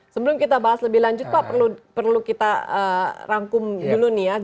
sebelum kita bahas lebih lanjut pak perlu kita rangkum dulu nih ya